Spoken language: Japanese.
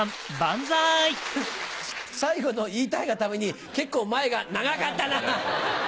最後のを言いたいがために結構前が長かったな！